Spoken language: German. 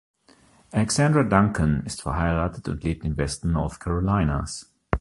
Alexandra Duncan ist verheiratet und lebt im Westen North Carolinas.